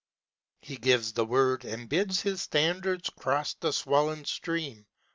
He gives the word And bids his standards cross the swollen stream.